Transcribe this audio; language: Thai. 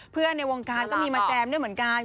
ในวงการก็มีมาแจมด้วยเหมือนกัน